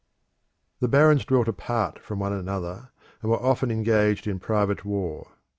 The barons dwelt apart from one another, and were often engaged in private war.